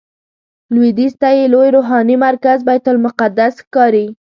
لویدیځ ته یې لوی روحاني مرکز بیت المقدس ښکاري.